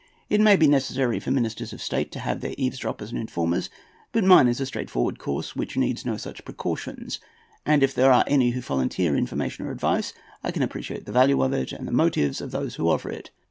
It may be necessary for ministers of state to have their eavesdroppers and informers, but mine is a straightforward course, which needs no such precautions. And if there be any who volunteer information or advice, I can appreciate the value of it, and the motives of those who offer it.